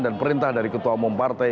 dan perintah dari ketua umum partai